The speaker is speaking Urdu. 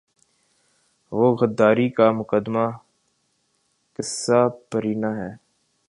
وہ غداری کا مقدمہ قصۂ پارینہ ہے۔